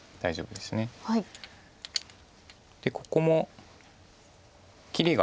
でここも切りが。